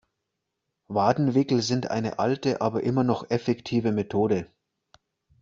Wadenwickel sind eine alte aber immer noch effektive Methode.